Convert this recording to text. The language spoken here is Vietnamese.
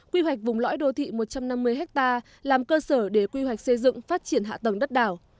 quy hoạch vùng lõi đô thị một trăm năm mươi ha làm cơ sở để quy hoạch xây dựng phát triển hạ tầng đất đảo